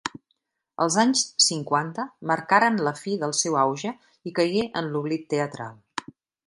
Els anys cinquanta marcaren la fi del seu auge i caigué en l'oblit teatral.